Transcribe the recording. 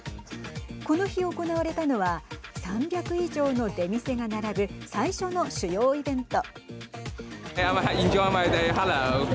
この日行われたのは３００以上の出店が並ぶ最初の主要イベント。